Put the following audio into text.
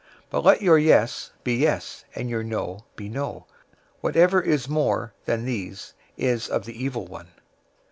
005:037 But let your 'Yes' be 'Yes' and your 'No' be 'No.' Whatever is more than these is of the evil one.